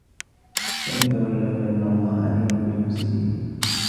فإن تولوا فإن الله عليم بالمفسدين